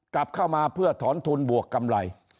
กลับเข้ามาเพื่อถอนทุนบวกกำไร